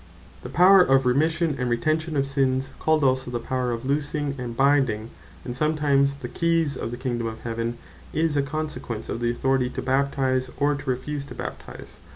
And To Forgive, And Retain Sinnes The Power of Remission, And Retention Of Sinnes, called also the Power of Loosing, and Binding, and sometimes the Keyes Of The Kingdome Of Heaven, is a consequence of the Authority to Baptize, or refuse to Baptize.